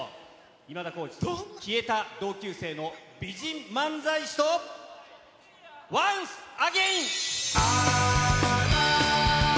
今田耕司、消えた同級生の美人漫才師とワンスアゲイン。